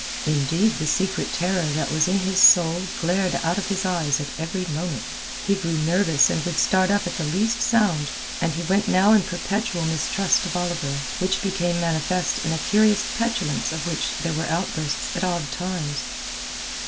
Indeed the secret terror that was in his soul glared out of his eyes at every moment. He grew nervous and would start up at the least sound, and he went now in a perpetual mistrust of Oliver, which became manifest in a curious petulance of which there were outbursts at odd times.